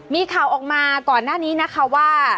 มีข่าวออกมาก่อนหน้านี้นะคะว่า